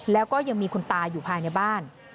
แล้วก็ยังมีคุณตาอยู่ภายในบ้าน